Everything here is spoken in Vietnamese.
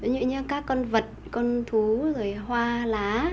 như các con vật con thú rồi hoa lá